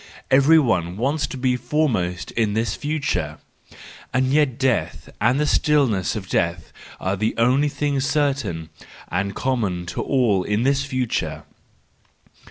Everyone wants to be foremost in this future,—and yet death and the stillness of death are the only things certain and common to all in this future!